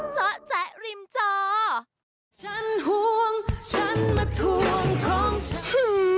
เจ๊ะเจ๊ะริมจอ